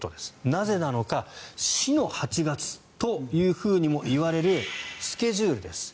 なぜなのか死の８月ともいわれるスケジュールです。